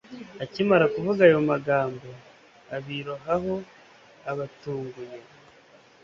akimara kuvuga ayo magambo, abirohaho abatunguye